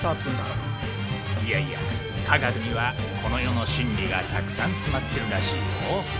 いやいや科学にはこの世の真理がたくさん詰まってるらしいよ。